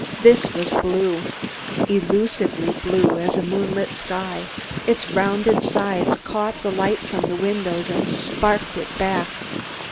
This was blue elusively blue as a moonlit sky. Its rounded sides caught the light from the windows and sparkled it back.